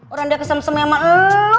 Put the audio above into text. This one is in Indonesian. orang udah kesemsemnya sama lo